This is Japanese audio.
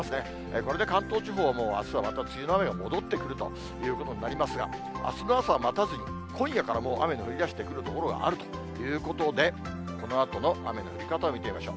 これで関東地方も、あすはまた梅雨の雨が戻ってくるということになりますが、あすの朝を待たずに、今夜からもう雨の降りだしてくる所もあるということで、このあとの雨の降り方を見てみましょう。